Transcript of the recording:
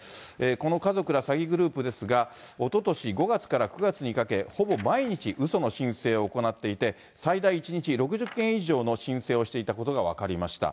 この家族ら詐欺グループですが、おととし５月から９月にかけ、ほぼ毎日うその申請を行っていて、最大１日６０件以上の申請をしていたことが分かりました。